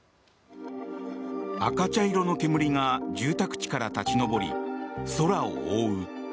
赤茶色の煙が住宅地から立ち上り、空を覆う。